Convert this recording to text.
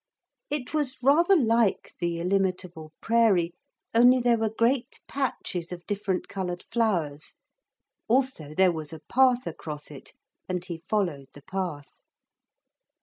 It was rather like the illimitable prairie, only there were great patches of different coloured flowers. Also there was a path across it, and he followed the path.